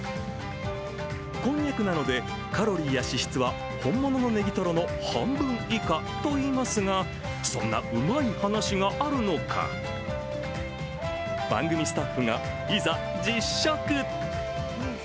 こんにゃくなのでカロリーや脂質は本物のネギトロの半分以下といいますが、そんなうまい話があるのか、番組スタッフが、いざ実食。